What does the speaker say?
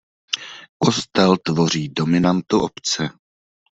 Kostel tvoří dominantu obce.